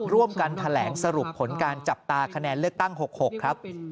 ร่วมกันแถลงสรุปผลการจับตาคะแนนเลือกตั้ง๖๖ครับ